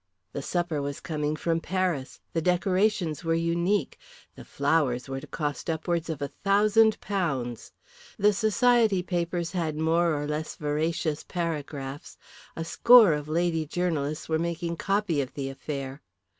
The supper was coming from Paris, the decorations were unique, the flowers were to cost upwards of a thousand pounds. The society papers had more or less veracious paragraphs, a score of lady journalists were making copy of the affair.